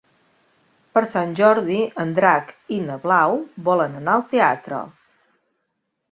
Per Sant Jordi en Drac i na Blau volen anar al teatre.